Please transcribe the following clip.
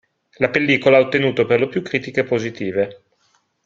La pellicola ha ottenuto per lo più critiche positive.